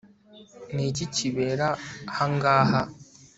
Ni iki kibera hangaha